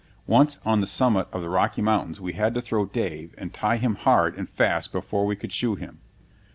Once, on the summit of the Rocky Mountains, we had to throw Dave and tie him hard and fast before we could shoe him.